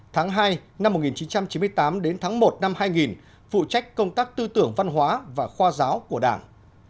tháng hai năm một nghìn chín trăm chín mươi tám đến tháng một năm hai nghìn phụ trách công tác tư tưởng văn hóa và khoa giáo của đảng